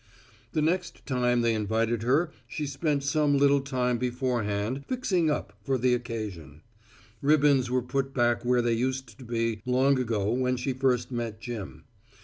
The next time they invited her she spent some little time before hand, "fixing up" for the occasion. Ribbons were put back where they used to be long ago when she first met Jim.